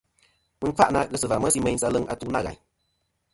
Mɨ n-kfâʼ na ghes va mesi meyn sa aleŋ atu nâ ghàyn.